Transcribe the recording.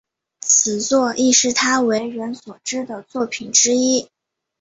此作亦是他为人所知的作品之一。